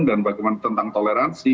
dan bagaimana tentang toleransi